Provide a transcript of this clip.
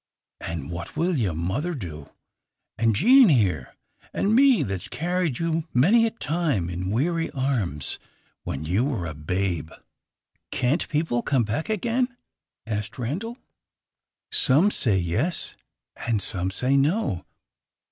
and what will your mother do? and Jean here, and me that's carried you many a time in weary arms when you were a babe?" "Can't people come back again?" asked Randal. "Some say 'Yes,' and some say 'No.